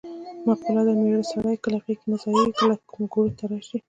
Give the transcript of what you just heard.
مقوله ده: مېړه سړی کله غېږ کې نه ځایېږې کله ګروت ته راشي.